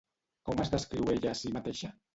Com es descriu ella a si mateixa?